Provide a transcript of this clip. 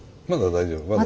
まだ大丈夫。